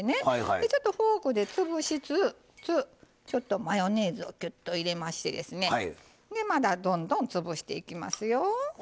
ちょっとフォークで潰しつつマヨネーズをぎゅっと入れましてですねまだどんどん潰していきますよ。